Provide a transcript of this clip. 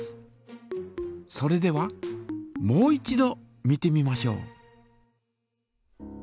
それではもう一度見てみましょう。